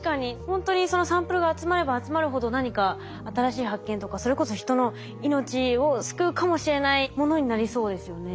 ほんとにサンプルが集まれば集まるほど何か新しい発見とかそれこそ人の命を救うかもしれないものになりそうですよね。